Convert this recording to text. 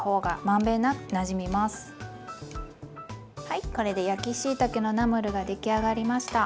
はいこれで焼きしいたけのナムルが出来上がりました！